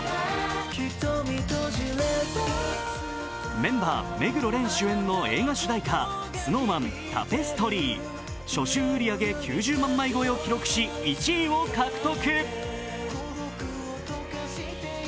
メンバー、目黒蓮主演の映画主題歌、ＳｎｏｗＭａｎ、「タペストリー」初週売り上げ９０万枚超えを記録し、１位を獲得。